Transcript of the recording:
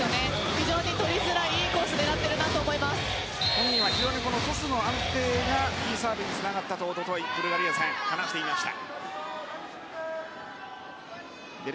非常に取りづらいいいコースを狙っていると本人はトスの安定がいいサーブにつながったと一昨日、ブルガリア戦で話していました。